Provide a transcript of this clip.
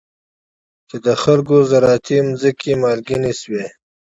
چې د خلکو زراعتي ځمکې مالګینې شوي.